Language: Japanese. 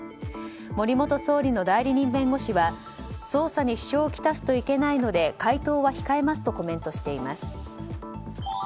森元総理の代理人弁護士は捜査に支障を来すといけないので回答は控えますとコメントしています。